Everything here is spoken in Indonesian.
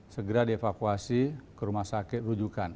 segera dievakuasi ke rumah sakit rujukan